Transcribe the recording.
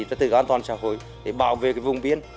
trật tự an toàn xã hội để bảo vệ vùng biên